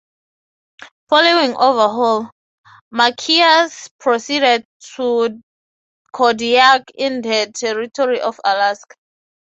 Following overhaul, "Machias" proceeded to Kodiak in the Territory of Alaska.